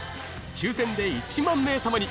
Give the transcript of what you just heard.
抽選で１万名様に！